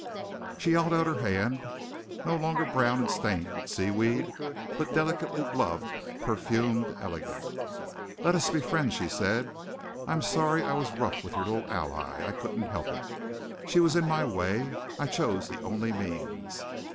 She held out her hand no longer brown and stained with seaweed, but delicately gloved, perfumed, elegant. "Let us be friends," she said. "I am sorry I was rough to your little ally! I couldn't help it. She was in my way. I chose the only means.